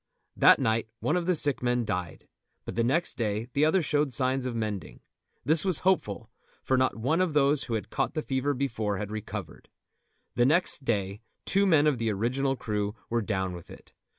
That night one of the sick men died, but the next day the other showed signs of mending. This was hopeful, for not one of those who had caught the fever before had recovered. The next day two men of the original crew were down with it.